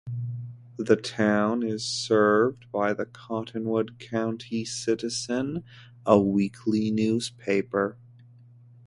The town is served by the "Cottonwood County Citizen", a weekly newspaper.